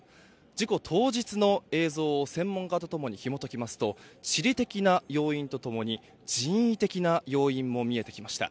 事故当日の映像を専門家と共にひも解きますと地理的な要因と共に人為的な要因も見えてきました。